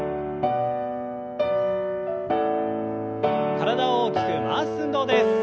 体を大きく回す運動です。